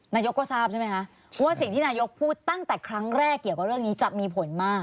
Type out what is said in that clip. นายกก็ทราบใช่ไหมคะว่าสิ่งที่นายกพูดตั้งแต่ครั้งแรกเกี่ยวกับเรื่องนี้จะมีผลมาก